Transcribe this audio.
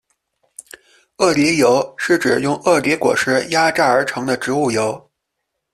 鳄梨油是指用鳄梨果实压榨而成的植物油。